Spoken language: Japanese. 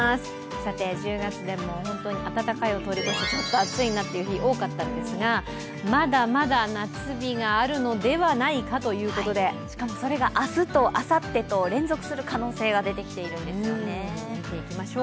さて１０月でも本当に暖かいを通り越してちょっと暑い日が多かったんですがまだまだ夏日があるのではないかということでしかも、それが明日とあさってと連続する可能性が出てきているんですよね。